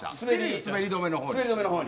滑り止めのほうに。